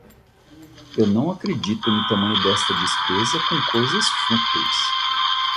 Eu não acredito no tamanho desta despesa com coisas fúteis!